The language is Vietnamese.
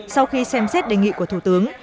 sau khi xem xét đề nghị của thủ tướng